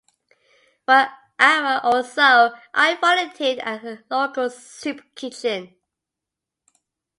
For an hour or so, I volunteered at a local soup kitchen.